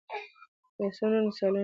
يو څو نور مثالونه